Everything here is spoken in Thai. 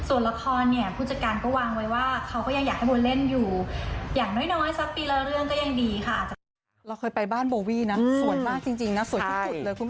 ส่วนละครเนี่ยผู้จัดการก็วางไว้ว่าเขาก็ยังอยากให้บนเล่นอยู่